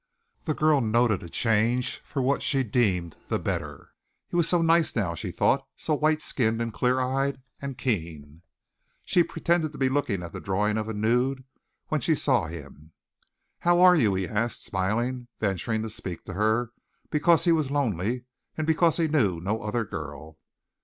The girl noted a change for what she deemed the better. He was so nice now, she thought, so white skinned and clear eyed and keen. She pretended to be looking at the drawing of a nude when she saw him. "How are you?" he asked, smiling, venturing to speak to her because he was lonely and because he knew no other girl.